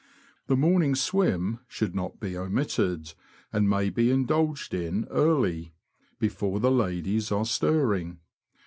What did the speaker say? The morning swim should not be omitted, and may be indulged in early, before the ladies are stirring.